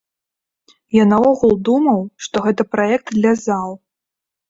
Я наогул думаў, што гэта праект для зал.